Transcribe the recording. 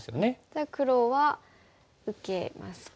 じゃあ黒は受けますか。